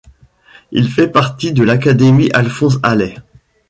Il fait partie de l'Académie Alphonse Allais.